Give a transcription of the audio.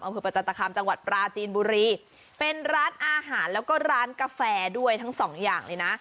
ประจันตคามจังหวัดปราจีนบุรีเป็นร้านอาหารแล้วก็ร้านกาแฟด้วยทั้งสองอย่างเลยนะ